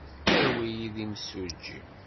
Awi-iyi-d imsujji.